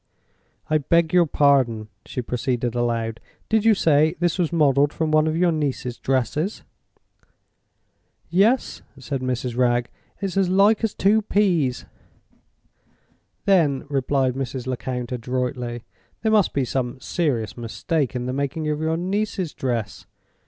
—I beg your pardon," she proceeded, aloud, "did you say this was modeled from one of your niece's dresses?" "Yes," said Mrs. Wragge. "It's as like as two peas." "Then," replied Mrs. Lecount, adroitly, "there must be some serious mistake in the making of your niece's dress.